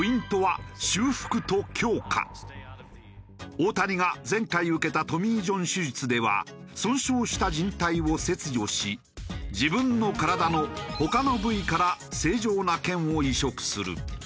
大谷が前回受けたトミー・ジョン手術では損傷したじん帯を切除し自分の体の他の部位から正常な腱を移植する。